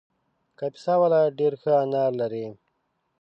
کاپیسا ولایت ډېر ښه انار لري